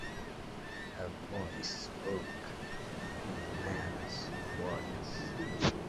A voice spoke — a man's voice.